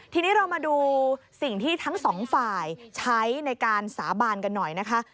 ทีนี้เรามาดูสิ่งที่ทั้งสองฝ่ายใช้ในการสาบานกันหน่อยนะคะ